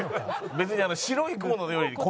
別に。